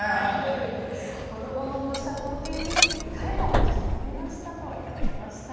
ほのぼのとした光景に疲れも吹き飛びましたといただきました。